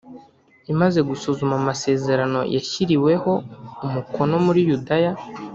Imaze gusuzuma amasezerano yashyiriweho umukono muri yudaya